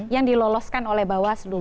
yang diloloskan oleh bawas dulu